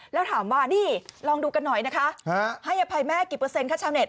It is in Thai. แล้วถามว่านี่ลองดูกันหน่อยนะคะให้อภัยแม่กี่เปอร์เซ็นค่ะชาวเต็